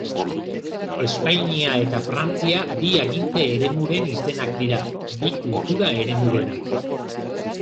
Espainia eta Frantzia bi aginte eremuren izenak dira, bi kultura-eremurenak.